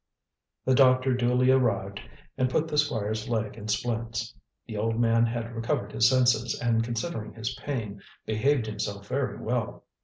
The doctor duly arrived and put the Squire's leg in splints. The old man had recovered his senses, and considering his pain, behaved himself very well.